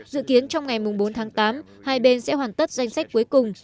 dự kiến trong ngày bốn tháng tám hai bên sẽ hoàn tất danh sách cuối cùng